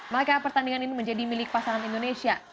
maka pertandingan ini menjadi milik pasangan indonesia